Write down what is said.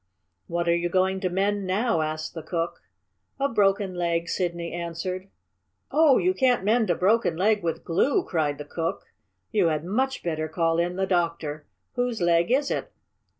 "What are you going to mend now?" asked the cook. "A broken leg," Sidney answered. "Oh, you can't mend a broken leg with glue!" cried the cook. "You had much better call in the doctor. Whose leg is it?"